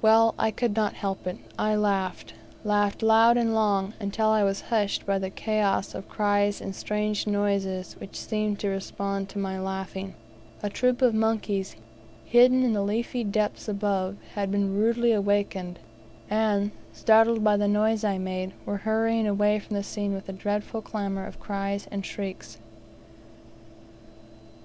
Well, I could not help it, I laughed laughed loud and long, until I was hushed by the chaos of cries and strange noises which seemed to respond to my laughing. A troop of monkeys, hidden in the leafy depths above, had been rudely awakened, and, startled by the noise I made, were hurrying away from the scene with a dreadful clamor of cries and shrieks.